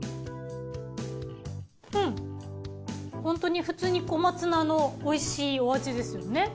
うんホントに普通に小松菜のおいしいお味ですよね。